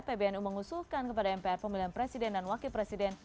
pbnu mengusulkan kepada mpr pemilihan presiden dan wakil presiden